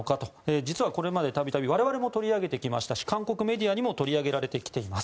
実はこれまで度々我々も取り上げてきましたし韓国メディアにも取り上げられてきています。